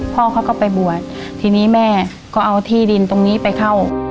พ่อเขาก็ไปบวชทีนี้แม่ก็เอาที่ดินตรงนี้ไปเข้า